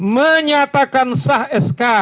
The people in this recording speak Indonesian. menyatakan sah sk